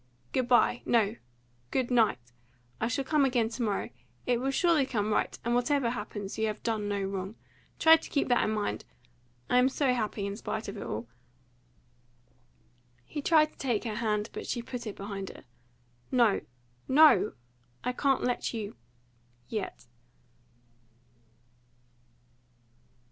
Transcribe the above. Good bye no! Good night! I shall come again to morrow. It will surely come right, and, whatever happens, you have done no wrong. Try to keep that in mind. I am so happy, in spite of all!" He tried to take her hand, but she put it behind her. "No, no! I can't let you yet!"